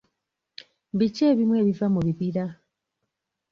Biki ebimu ebiva mu bibira?